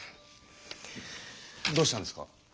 どうしたんですか？